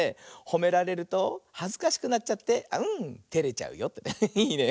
ほめられるとはずかしくなっちゃってテレちゃうよってね。